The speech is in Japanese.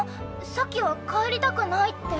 さっきは帰りたくないって。